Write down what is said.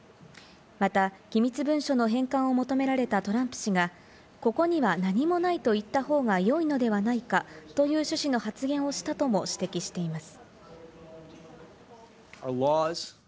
また、機密文書の返還を求められたトランプ氏が、ここには何もないと言った方が良いのではないかという趣旨の発言をしたとも指摘しています。